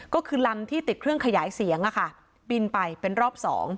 ก็คือลำที่ติดเครื่องขยายเสียงบินไปเป็นรอบ๒